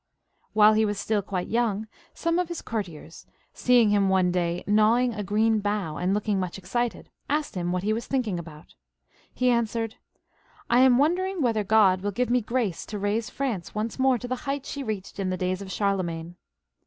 While he was still quite young, some of his courtiers, seeing ];dm one day gnawing a green bough and looking much excited, asked him what he was thinking about. He answered, " I am wondering whether God will give me grace to raise France once more to the height she reached in the days of Charlemagne."